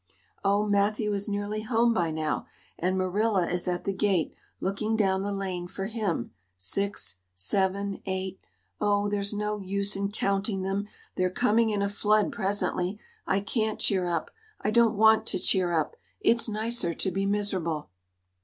Oh, Matthew is nearly home by now and Marilla is at the gate, looking down the lane for him six seven eight oh, there's no use in counting them! They're coming in a flood presently. I can't cheer up I don't want to cheer up. It's nicer to be miserable!"